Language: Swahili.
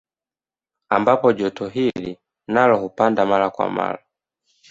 Ambapo joto hili nalo hupanda mara kwa mara